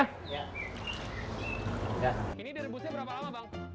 nah ini direbusnya berapa lama bang